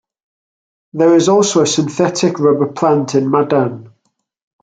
There is also a synthetic rubber plant in Madan.